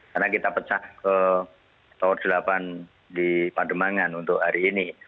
karena kita pecah ke tower delapan di pademangan untuk hari ini